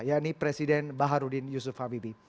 yakni presiden baharudin yusuf habibi